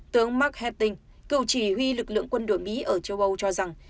tướng mark hedding cựu chỉ huy lực lượng quân đội mỹ ở châu âu cho rằng